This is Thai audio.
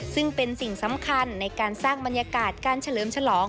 ซึ่งเป็นสิ่งสำคัญในการสร้างบรรยากาศการเฉลิมฉลอง